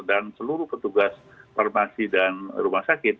dan seluruh petugas farmasi dan rumah sakit